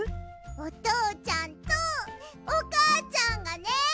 おとうちゃんとおかあちゃんがね